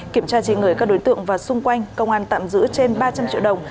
kiểm tra trên người các đối tượng và xung quanh công an tạm giữ trên ba trăm linh triệu đồng